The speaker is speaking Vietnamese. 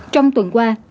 trong tuần qua